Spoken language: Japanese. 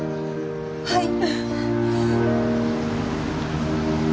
はい！